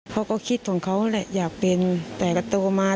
เขาก็คิดของเขาแหละอยากเป็นแต่ก็โตมา